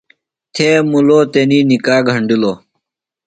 تھے مُلو تنی نِکاح گھنڈِلوۡ۔